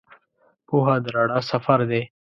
پوهه د رڼا سفر دی.